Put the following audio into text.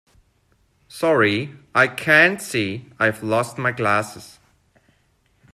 Sorry, I can't see. I've lost my glasses